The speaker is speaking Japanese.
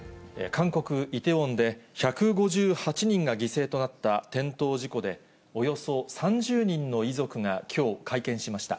韓国・イテウォンで、１５８人が犠牲となった転倒事故で、およそ３０人の遺族がきょう、会見しました。